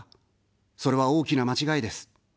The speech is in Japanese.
それは大きな間違いです。